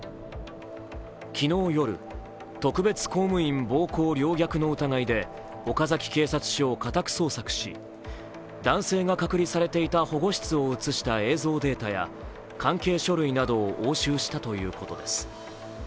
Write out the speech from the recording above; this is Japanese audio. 昨日夜、特別公務員暴行陵虐の疑いで岡崎警察署を家宅捜索し男性が隔離されていた保護室を映した映像データや関係書類などを押収したということです。